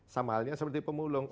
sama halnya seperti pemulung